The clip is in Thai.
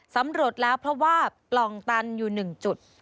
สำรวจแล้วเพราะว่าปล่องตันอยู่๑จุด